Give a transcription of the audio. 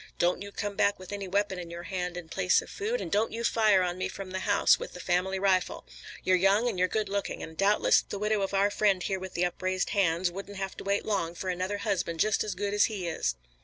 Don't you come back with any weapon in your hand in place of food, and don't you fire on me from the house with the family rifle. You're young and you're good looking, and, doubtless the widow of our friend here with the upraised hands, wouldn't have to wait long for another husband just as good as he is."